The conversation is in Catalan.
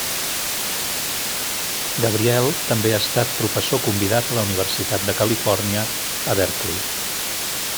Gabriel també ha estat professor convidat a la Universitat de Califòrnia a Berkeley.